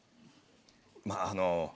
まぁあの。